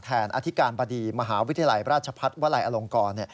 อธิการบดีมหาวิทยาลัยราชพัฒน์วลัยอลงกร